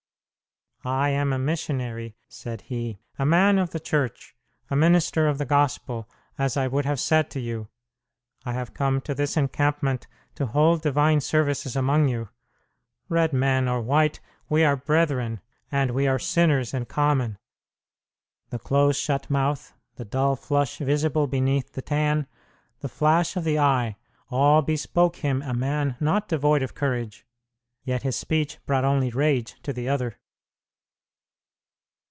"I am a missionary," said he, "a man of the church, a minister of the Gospel, as I would have said to you. I have come to this encampment to hold divine services among you. Red men or white, we are brethren, and we are sinners in common." The close shut mouth, the dull flush visible beneath the tan, the flash of the eye, all bespoke him a man not devoid of courage. Yet his speech brought only rage to the other.